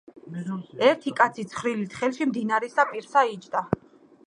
ერთი კაცი ცხრილით ხელში მდინარისა პირას იჯდა.